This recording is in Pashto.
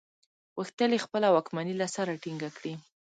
غوښتل یې خپله واکمني له سره ټینګه کړي.